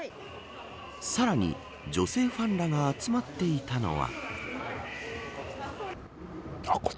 さらに、女性ファンらが集まっていたのは。